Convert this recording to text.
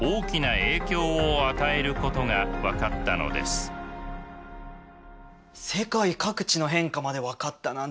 世界各地の変化まで分かったなんてすごいね。